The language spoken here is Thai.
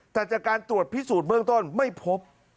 แต่จากการตรวจพิสูจน์เบื้องต้นไม่พบ